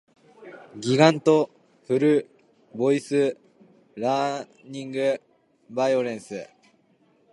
ｇｆｖｒｖ